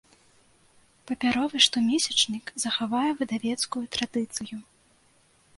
Папяровы штомесячнік захавае выдавецкую традыцыю.